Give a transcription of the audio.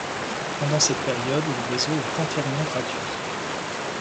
Pendant cette période le réseau est entièrement gratuit.